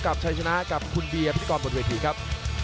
กับชัยชนะกับคุณบีพี่กรบทวิทย์ครับ